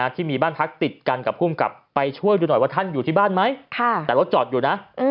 ที่มีบ้านพักติดกันกับภูมิกับไปช่วยดูหน่อยว่าท่านอยู่ที่บ้านไหมแต่รถจอดอยู่นะ